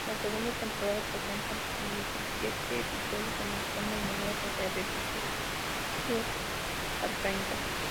La segunda temporada presenta diecisiete episodios, aumentando el número total de episodios a treinta.